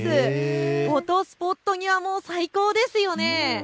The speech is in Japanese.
フォトスポットには最高ですね。